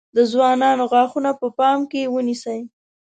د ځوانانو غاښونه په پام کې ونیسئ.